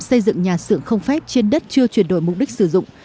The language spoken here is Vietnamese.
xây dựng nhà xưởng không phép trên đất chưa chuyển đổi mục đích sử dụng